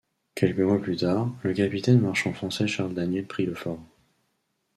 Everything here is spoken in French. Quelques mois plus tard, le capitaine marchand français Charles Daniel prit le fort.